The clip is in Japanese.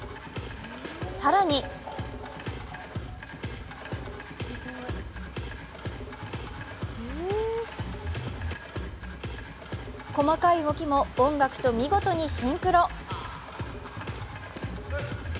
更に細かい動きも音楽と見事にシンクロ。